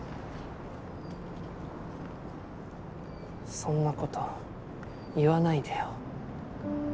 そんなこと言わないでよ。